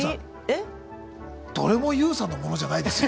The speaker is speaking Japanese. どれもＹＯＵさんのものじゃないですよ。